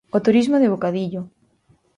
¡O turismo de bocadillo!